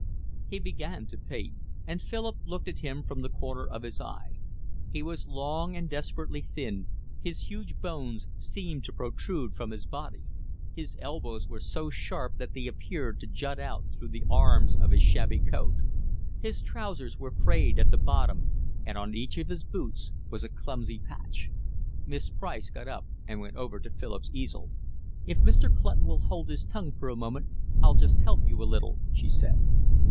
He began to paint, and Philip looked at him from the corner of his eye. He was long and desperately thin; his huge bones seemed to protrude from his body; his elbows were so sharp that they appeared to jut out through the arms of his shabby coat. His trousers were frayed at the bottom, and on each of his boots was a clumsy patch. Miss Price got up and went over to Philip's easel. "If Mr. Clutton will hold his tongue for a moment, I'll just help you a little," she said.